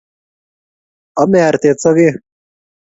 Ame artet sogek